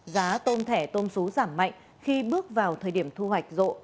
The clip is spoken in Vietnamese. giá tôm thẻ tôm sú giảm mạnh khi bước vào thời điểm thu hoạch rộ